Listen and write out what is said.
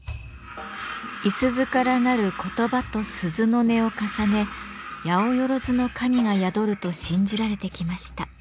五十鈴から成る言葉と鈴の音を重ね八百万の神が宿ると信じられてきました。